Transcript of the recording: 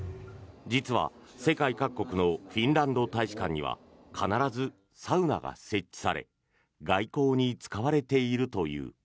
実は世界各国のフィンランド大使館には必ずサウナが設置され外交に使われているという。